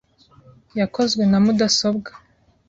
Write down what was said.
Yakozwe na mudasobwa .